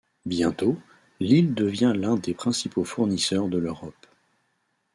Bientôt, l'île devient l'un des principaux fournisseurs de l'Europe.